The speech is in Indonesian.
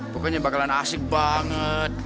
pokoknya bakalan asyik banget